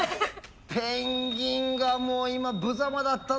ペンギンがもう今ぶざまだったな。